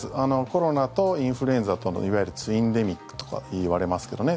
コロナとインフルエンザとのいわゆるツインデミックとかいわれますけどね。